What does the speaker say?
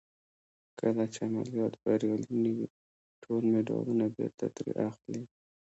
کله چې عملیات بریالي نه وي ټول مډالونه بېرته ترې اخلي.